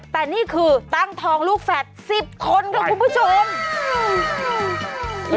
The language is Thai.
แต่นี่คือตั้งทองลูกแฝด๑๐คนค่ะคุณผู้ชม